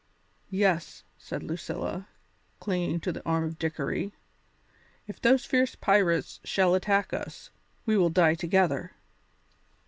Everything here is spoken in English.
"Yes," said Lucilla, clinging to the arm of Dickory, "if those fierce pirates shall attack us, we will die together."